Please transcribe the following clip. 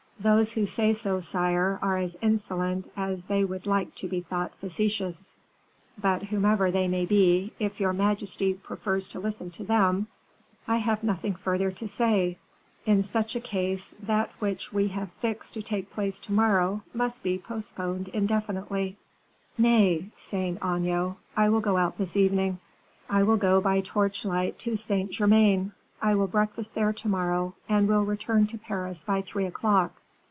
"Those who say so, sire, are as insolent as they would like to be thought facetious; but whomever they may be, if your majesty prefers to listen to them, I have nothing further to say. In such a case, that which we have fixed to take place to morrow must be postponed indefinitely." "Nay, Saint Aignan, I will go out this evening I will go by torchlight to Saint Germain: I will breakfast there to morrow, and will return to Paris by three o'clock.